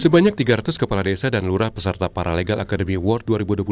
sebanyak tiga ratus kepala desa dan lurah peserta paralegal academy award dua ribu dua puluh dua